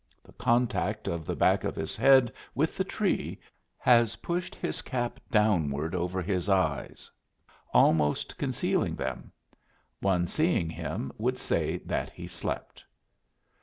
The contact of the back of his head with the tree has pushed his cap downward over his eyes, almost concealing them; one seeing him would say that he slept.